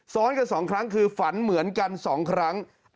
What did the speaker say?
ซ้อนกัน๒ครั้งคือฝันเหมือนกัน๒ครั้ง